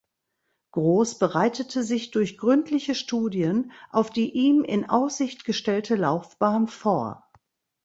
Gross bereitete sich durch gründliche Studien auf die ihm in Aussicht gestellte Laufbahn vor.